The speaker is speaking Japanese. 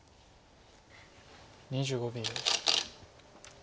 ２５秒。